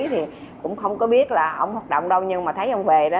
thì cũng không có biết là ông hoạt động đâu nhưng mà thấy ông về đó